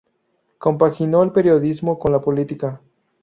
Compaginó el periodismo con la política.